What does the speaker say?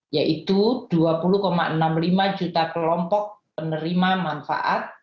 yaitu dua puluh enam puluh lima juta kelompok penerima manfaat